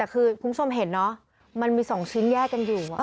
คือคุณผู้ชมเห็นเนอะมันมี๒ชิ้นแยกกันอยู่